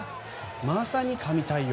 まさに神対応！